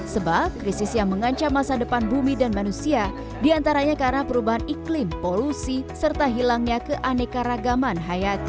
sebab krisis yang mengancam masa depan bumi dan manusia diantaranya karena perubahan iklim polusi serta hilangnya keanekaragaman hayati